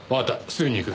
すぐに行く。